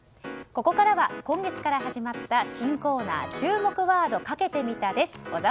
ここからは、今月から始まった新コーナー注目ワードかけてみたです。